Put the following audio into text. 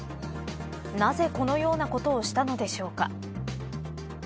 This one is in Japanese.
なぜ、このようなことをしたのでしょうか。